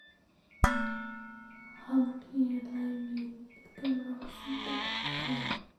Hnam hi Laimi nih an rak zumh taktak ko.